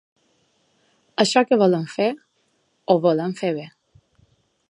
Això que volem fer, ho volem fer bé.